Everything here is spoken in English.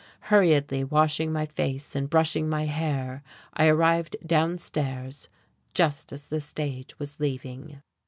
Hurriedly washing my face and brushing my hair, I arrived downstairs just as the stage was leaving....